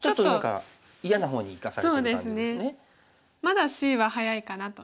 まだＣは早いかなと。